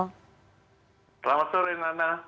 selamat sore nana